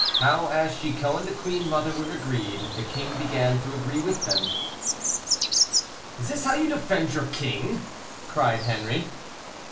HOW, AS CHICOT AND THE QUEEN MOTHER WERE AGREED, THE KING BEGAN TO AGREE WITH THEM. "Is this how you defend your king?" cried Henri.